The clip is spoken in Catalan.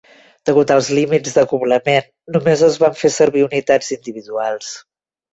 Degut als límits d'acoblament, només es van fer servir unitats individuals.